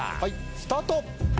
スタート！